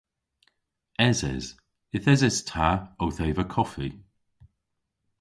Eses. Yth eses ta owth eva koffi.